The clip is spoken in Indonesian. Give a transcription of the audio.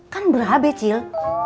kan berabe ciel